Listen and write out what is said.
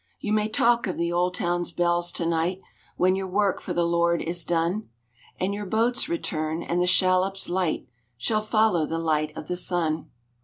You may talk of the old town's bells to night, When your work for the Lord is done, And your boats return, and the shallop's light Shall follow the light of the sun.